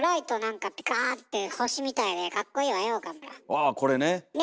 わあこれね。ね？